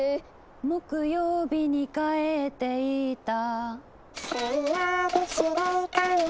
「木曜日に帰っていった」